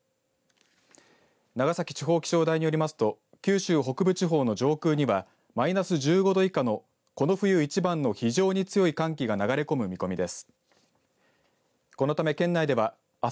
長崎地方気象台によりますと九州北部地方の上空にはマイナス１５度以下のこの冬一番の非常に強い寒気が流れ込む見込みです。